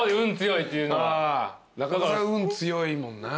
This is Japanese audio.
運強いもんな。